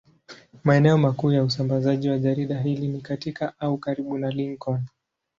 Maeneo makuu ya usambazaji wa jarida hili ni katika au karibu na Lincoln.